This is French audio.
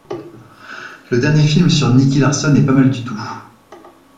Le dernier film sur Nicky Larson est pas mal du tout.